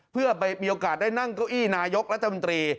เพื่อมีโอกาสได้นั่งเก้าอี้นายกรัฐมนตรี